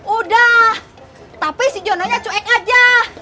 udah tapi si jonanya cuek aja